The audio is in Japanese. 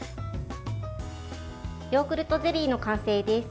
ヨーグルトゼリーの完成です。